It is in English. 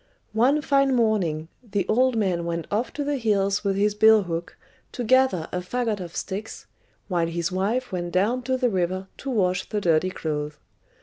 One fine morning the old man went off to the hills with his billhook, to gather a faggot of sticks, while his wife went down to the river to wash the dirty clothes.